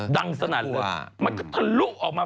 ดังสนั่นเลยมันก็ทะลุออกมา